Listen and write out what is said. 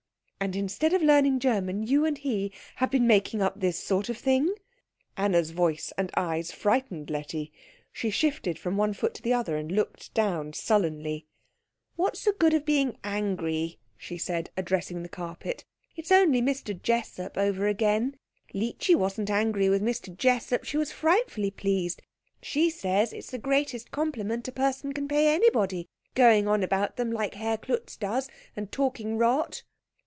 "And instead of learning German you and he have been making up this sort of thing?" Anna's voice and eyes frightened Letty. She shifted from one foot to the other and looked down sullenly. "What's the good of being angry?" she said, addressing the carpet; "it's only Mr. Jessup over again. Leechy wasn't angry with Mr. Jessup. She was frightfully pleased. She says it's the greatest compliment a person can pay anybody, going on about them like Herr Klutz does, and talking rot."